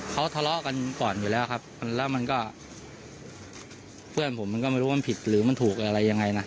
เขาทะเลาะกันก่อนอยู่แล้วครับแล้วมันก็เพื่อนผมมันก็ไม่รู้ว่ามันผิดหรือมันถูกอะไรยังไงนะ